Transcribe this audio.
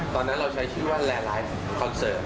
ตอนนั้นเราใช้ชื่อว่าแลไลฟ์คอนเสิร์ต